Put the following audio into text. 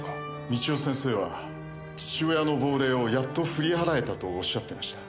美千代先生は父親の亡霊をやっと振り払えたとおっしゃってました。